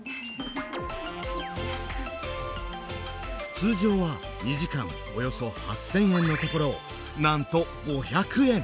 通常は２時間およそ８，０００円のところなんと５００円！